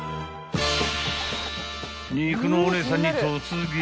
［肉のお姉さんに突撃］